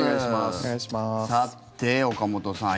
さて、岡本さん